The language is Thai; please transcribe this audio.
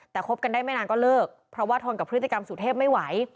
แต่คบกันได้ไม่นานก็เลิกเพราะว่าทนกับพฤติกรรมสุเทพไม่ไหว